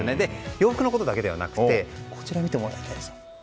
洋服のことだけではなくてこちらを見てもらいたいんですよ。